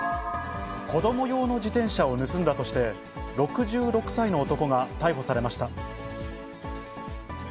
子ども用の自転車を盗んだとして、６６歳の男が逮捕されました。